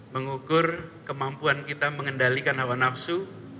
mengukur kemampuan kita mengendalikan hawa nafsu